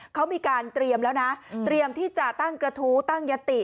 เขามีการเตรียมแล้วนะเตรียมที่จะตั้งกระทู้ตั้งยติ